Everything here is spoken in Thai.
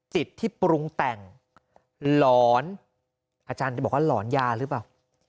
จิตที่ปรุงแต่งหลอนอาจารย์จะบอกว่าหลอนยาหรือเปล่า